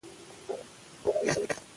او نه يې څوک راته په قرض راکوي.